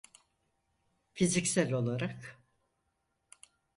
Fiziksel olarak.